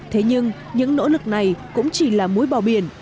thế nhưng những nỗ lực này cũng chỉ là muối bò biển